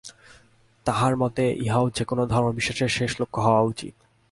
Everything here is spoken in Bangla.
তাঁহার মতে ইহাই যে-কোন ধর্মবিশ্বাসের শেষ লক্ষ্য হওয়া উচিত।